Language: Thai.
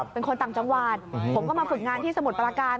เป็นคนต่างจังหวัดผมก็มาฝึกงานที่สมุทรปราการ